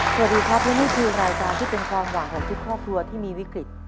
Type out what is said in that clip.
สวัสดีครับและนี่คือรายการที่เป็นความหวังของทุกครอบครัวที่มีวิกฤต